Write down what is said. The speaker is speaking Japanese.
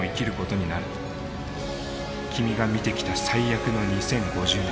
君が見てきた最悪の２０５０年。